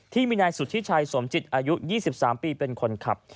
ที่มีนายสุธิชัยสมจิตอายุ๒๓ปีเป็นคนขับ